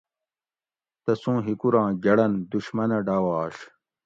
تسوں ہِکوراں گۤھڑن دشمنہ ڈاواش